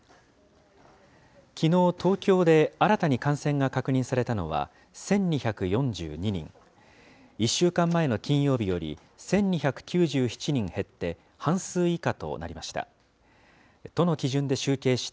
きのう、東京で新たに感染が確認されたのは１２４２人、１週間前の金曜日より１２９７人減って半数以下となりました。